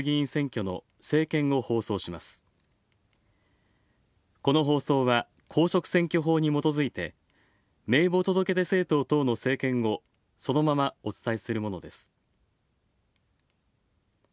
この放送は公職選挙法にもとづいて名簿届出政党等の政見をそのままお伝えするものです。